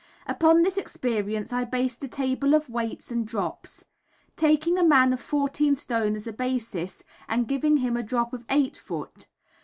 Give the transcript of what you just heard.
Upon this experience I based a table of weights and drops. Taking a man of 14 stones as a basis, and giving him a drop of 8 ft.